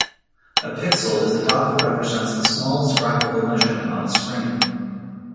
A pixel is a dot that represents the smallest graphical measurement on a screen.